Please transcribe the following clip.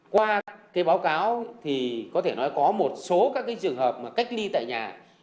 qua báo cáo thì có thể nói có một số các trường hợp cách đi tại nhà